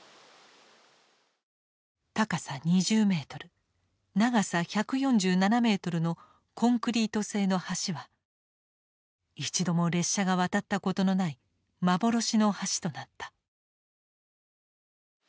高さ２０メートル長さ１４７メートルのコンクリート製の橋は一度も列車が渡ったことのない「幻の橋」となった。